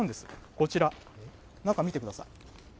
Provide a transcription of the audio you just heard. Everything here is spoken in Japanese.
こちら、中見てください。